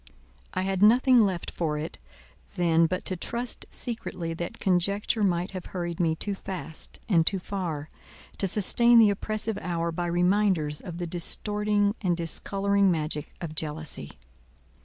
I had nothing left for it then but to trust secretly that conjecture might have hurried me too fast and too far, to sustain the oppressive hour by reminders of the distorting and discolouring magic of jealousy.